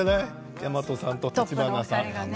大和さんと橘さんがね。